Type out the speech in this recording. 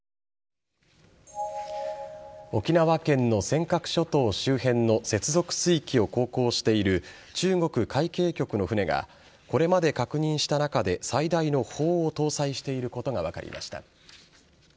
沖縄県の尖閣諸島周辺の接続水域を航行している中国海警局の船がこれまで確認した中で最大の砲を搭載していることが分かりました。